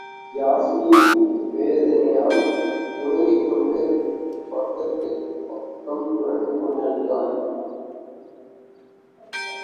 யாஸ்மி வேதனையால் முனகிக்கொண்டு பக்கத்துக்குப் பக்கம் புரண்டு கொண்டிருந்தாள்.